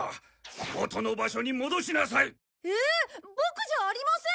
ボクじゃありません。